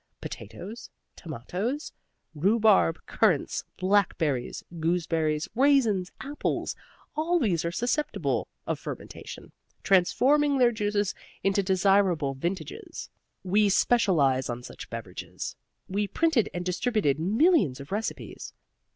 Potatoes, tomatoes, rhubarb, currants, blackberries, gooseberries, raisins, apples all these are susceptible of fermentation, transforming their juices into desirable vintages. We specialized on such beverages. We printed and distributed millions of recipes.